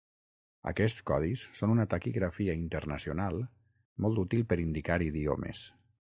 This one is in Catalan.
Aquests codis són una taquigrafia internacional molt útil per indicar idiomes.